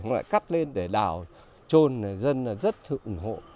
họ lại cắt lên để đào trôn này dân rất ủng hộ